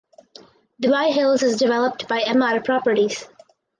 Dubai Hills is developed by Emaar Properties.